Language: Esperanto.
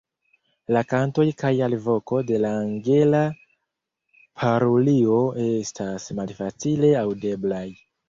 La kantoj kaj alvoko de la Angela parulio estas malfacile aŭdeblaj.